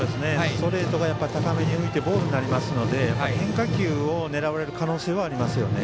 ストレートが高めに浮いてボールになりますので変化球を狙われる可能性はありますよね。